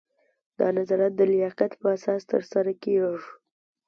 دا نظارت د لیاقت په اساس ترسره کیږي.